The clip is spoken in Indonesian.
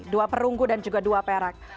dua perunggu dan juga dua perak